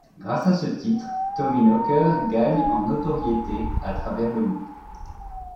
Grâce à ce titre, Tommyknocker gagne en notoriété à travers le monde.